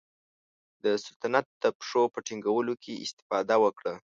د سلطنت د پښو په ټینګولو کې استفاده وکړه.